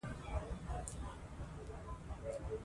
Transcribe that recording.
ازادي راډیو د د ښځو حقونه په اړه د مینه والو لیکونه لوستي.